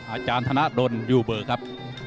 อาจารย์ธนดลยูเบอร์ครับ